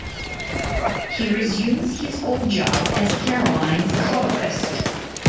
He resumes his old job as Caroline's colorist.